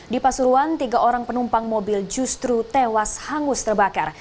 di pasuruan tiga orang penumpang mobil justru tewas hangus terbakar